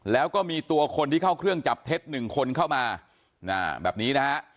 แล้วก็มีตัวคนที่เข้าเครื่องจับเท็จ๑คนเข้ามาแบบนี้นะฮะ